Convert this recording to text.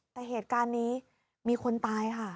แต่เหตุการณ์นี้มีคนตายค่ะ